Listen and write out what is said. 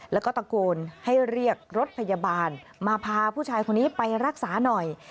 แล้วก็ตะโกนให้เรียกรถพยาบาลมาพาผู้ชายคนนี้ไปรักษาหน่อย